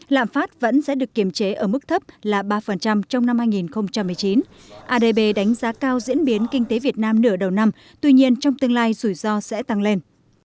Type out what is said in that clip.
lạm phát vẫn sẽ được kiềm chế ở mức thấp là ba trong năm hai nghìn một mươi chín adb đánh giá cao diễn biến kinh tế việt nam nửa đầu năm tuy nhiên trong tương lai rủi ro sẽ tăng lên